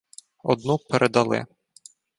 — Одну передали.